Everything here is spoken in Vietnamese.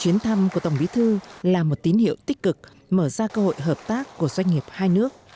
chuyến thăm của tổng bí thư là một tín hiệu tích cực mở ra cơ hội hợp tác của doanh nghiệp hai nước